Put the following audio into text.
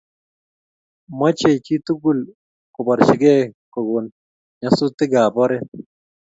Mochei chitugul koborchikei kokon nyasutikab oret